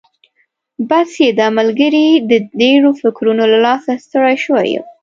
بس یې ده ملګري، د ډېرو فکرونو له لاسه ستړی شوی یم.